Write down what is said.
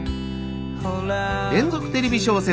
連続テレビ小説